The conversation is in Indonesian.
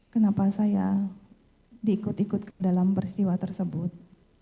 kenapa saya diikut ikut dalam peristiwa tersebut